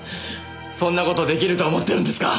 そんな事出来ると思ってるんですか！